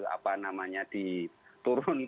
apa namanya diturunkan ya